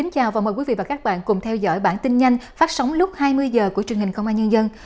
chào mừng quý vị đến với bản tin nhanh phát sóng lúc hai mươi h của truyền hình công an nhân dân